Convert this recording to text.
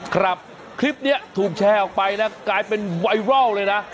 ครับคลิปนี้ถูกแชร์ออกไปนะกลายเป็นไวรัลเลยนะ